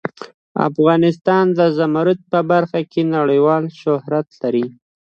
افغانستان د زمرد په برخه کې نړیوال شهرت لري.